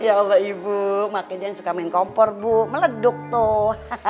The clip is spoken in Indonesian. ya pak ibu makin jangan suka main kompor bu meleduk tuh